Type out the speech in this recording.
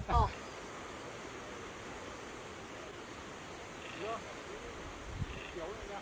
สุดท้ายเมื่อเวลาสุดท้าย